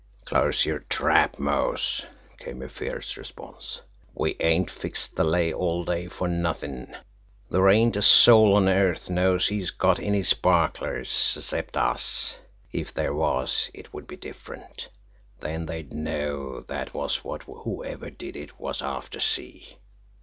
"Close yer trap, Mose!" came a fierce response. "We ain't fixed the lay all day for nothin'. There ain't a soul on earth knows he's got any sparklers, 'cept us. If there was, it would be different then they'd know that was what whoever did it was after, see?"